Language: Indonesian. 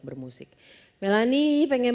bermusik melani pengen